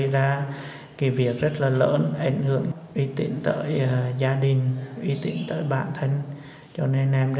ra vụ trộm trên